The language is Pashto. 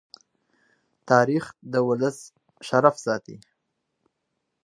تاریخ د ولس شرف ساتي.